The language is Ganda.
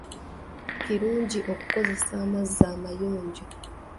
Kirungi okukozesa amazzi amayonjo.